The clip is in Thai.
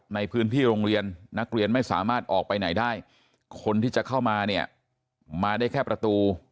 ในพื้นที่โรงเรียนนักเรียนไม่สามารถออกไปไหนได้คนที่จะเข้ามาเนี่ยมาได้แค่ประตู